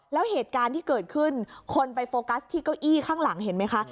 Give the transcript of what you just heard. แล้วเหตุการณ์ที่เกิดขึ้นคนไปโฟกัสที่เก้าอี้ข้างหลังเห็นไหมคะ